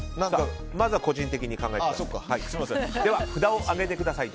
まずは個人的に考えてください。